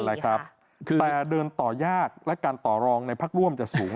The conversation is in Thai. แต่เดินต่อยากและการต่อรองในพักร่วมจะสูง